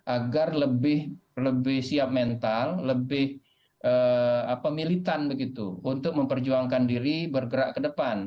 agar lebih siap mental lebih militan begitu untuk memperjuangkan diri bergerak ke depan